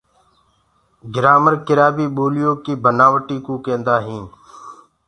گرآمر ڪِرآ بي بوليو ڪيِ بنآوٽي ڪوُ ڪيندآ هينٚ۔